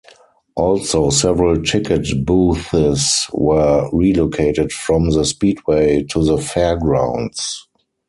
Also several ticket booths were relocated from the speedway to the fair grounds.